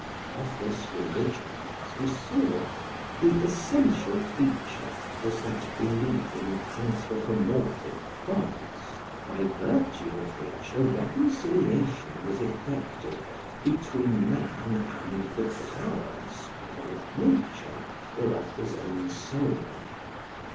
Of this religion, as we saw, the essential feature was that belief in anthropomorphic gods, by virtue of which a reconciliation was effected between man and the powers whether of nature or of his own soul.